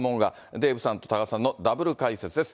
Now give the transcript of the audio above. デーブさんと多賀さんのダブル解説です。